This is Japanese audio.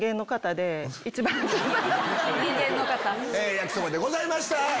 焼きそばでございました。